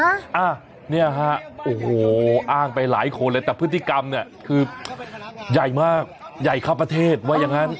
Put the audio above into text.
อ่ะเนี่ยฮะโอ้โหอ้างไปหลายคนเลยแต่พฤติกรรมเนี่ยคือใหญ่มากใหญ่เข้าประเทศว่าอย่างนั้น